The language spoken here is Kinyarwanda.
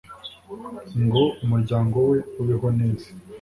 ngo umuryango we ubeho neza